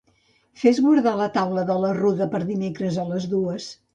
Fes guardar la taula de la Ruda per dimecres a les dues.